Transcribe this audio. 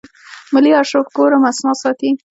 ملي آرشیف کوم اسناد ساتي؟